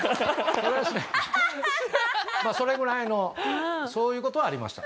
それぐらいのそういう事はありました。